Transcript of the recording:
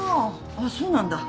あっそうなんだ。